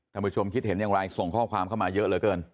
ผู้ชมคิดเห็นอย่างไรส่งข้อความเข้ามาเยอะเหลือเกิน